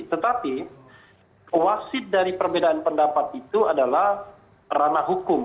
tetapi wasit dari perbedaan pendapat itu adalah ranah hukum